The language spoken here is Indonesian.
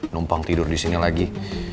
numpang tidur disini lagi